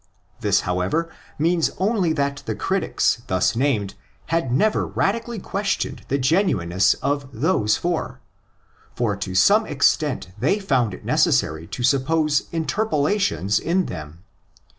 This, however, means only that the critics thus named had never radically questioned the genuineness of those four, for to some extent they found it necessary to suppose interpolations in them.